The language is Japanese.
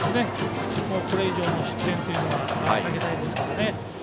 これ以上の失点というのは避けたいですからね。